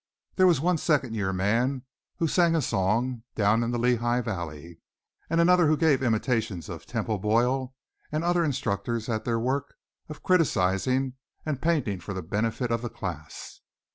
There was one second year man who sang a song "Down in the Lehigh Valley" and another who gave imitations of Temple Boyle and other instructors at their work of criticising and painting for the benefit of the class.